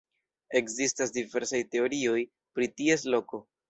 Ekzistas diversaj teorioj pri ties loko.